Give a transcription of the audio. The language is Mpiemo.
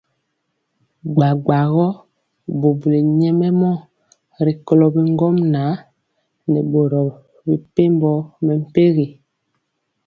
Bgabgagɔ bubuli nyɛmemɔ rikolo bi ŋgomnaŋ nɛ boro mepempɔ mɛmpegi.